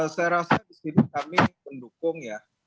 saya rasa di sini kami mendukung ya